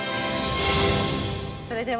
それでは。